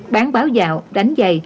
bán báo dạo đánh giày